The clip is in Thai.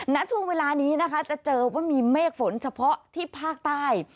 ณช่วงเวลานี้นะคะจะเจอว่ามีเมฆฝนเฉพาะที่ภาคใต้